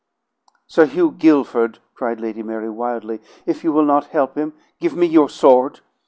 "Sir Hugh Guilford!" cried Lady Mary wildly, "if you will not help him, give me your sword!"